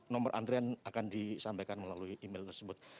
nomor antrian akan disampaikan melalui email tersebut